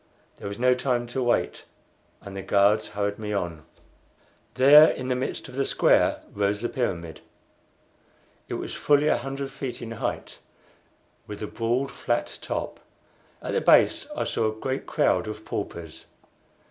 There was no time to wait, and the guards hurried me on. There in the midst of the square rose the pyramid. It was fully a hundred feet in height, with a broad flat top. At the base I saw a great crowd of paupers.